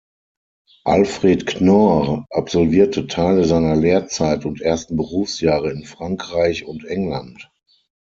Alfred Knorr absolvierte Teile seiner Lehrzeit und ersten Berufsjahre in Frankreich und England.